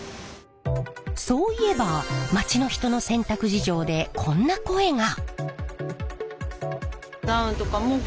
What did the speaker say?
そういえば街の人の洗濯事情でこんな声が。